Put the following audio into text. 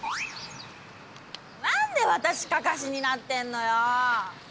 何で私カカシになってんのよ。